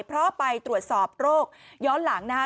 เพราะไปตรวจสอบโรคย้อนหลังนะฮะ